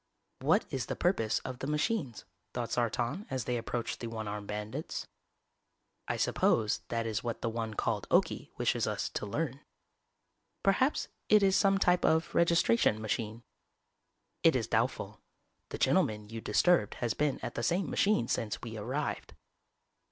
"What is the purpose of the machines?" thought Sartan as they approached the one armed bandits. "I suppose that is what the one called Okie wishes us to learn." "Perhaps it is some type of registration machine." "_It is doubtful. The gentleman you disturbed has been at the same machine since we arrived.